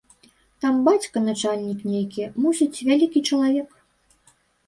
Там бацька начальнік, нейкі, мусіць, вялікі чалавек.